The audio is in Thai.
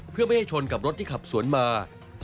เพื่อไม่ให้ชนกับรถที่ขับสวนมา